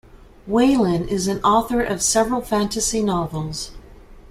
Whelan, is an author of several fantasy novels.